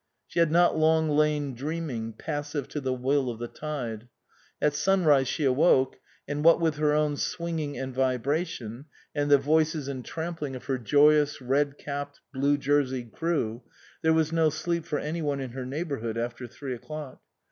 She had not long lain dreaming, passive to the will of the tide. At sunrise she awoke, and what with her own swinging and vibration, and the voices and trampling of her joyous, red capped, blue jerseyed crew, there was no sleep for any one in her neighbourhood after three o'clock.